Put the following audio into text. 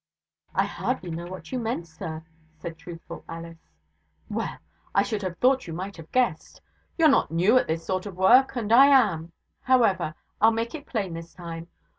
'I hardly know what you meant, sir,' said truthful Alice. 'Well! I should have thought you might have guessed. You're not new at this sort of work, and I am. However, I'll make it plain this time.